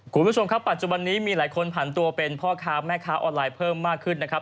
คุณผู้ชมครับปัจจุบันนี้มีหลายคนผันตัวเป็นพ่อค้าแม่ค้าออนไลน์เพิ่มมากขึ้นนะครับ